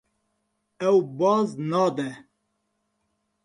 Ew baz nade.